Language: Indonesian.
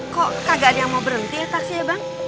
kok kagak ada yang mau berhenti ya taksi ya bang